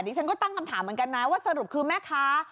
ฉันก็ตั้งคำถามเหมือนกันนะว่าสรุปคือแม่ค้า